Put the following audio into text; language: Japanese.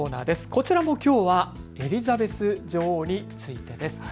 こちらもきょうはエリザベス女王についてです。